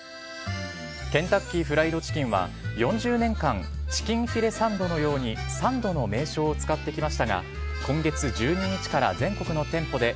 ケンタッキー・フライド・チキンは、４０年間、チキンフィレサンドのようにサンドの名称を使ってきましたが、今月１２日から全国の店舗で、